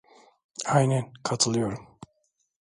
Aynen katılıyorum.